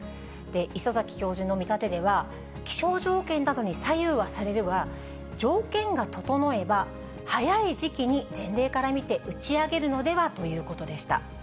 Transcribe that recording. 礒崎教授の見立てでは、気象条件などに左右はされるが、条件が整えば、早い時期に、前例から見て打ち上げるのではということでした。